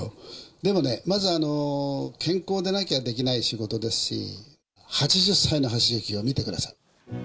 でもね、まず、健康でなきゃできない仕事ですし、８０歳の橋幸夫を見てください。